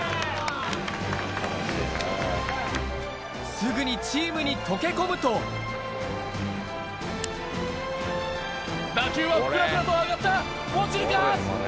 すぐにチームに溶け込むと打球はフラフラと上がった落ちるか？